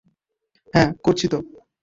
হ্যাঁ, করছি তো।